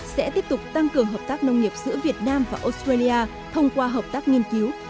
sẽ tiếp tục tăng cường hợp tác nông nghiệp giữa việt nam và australia thông qua hợp tác nghiên cứu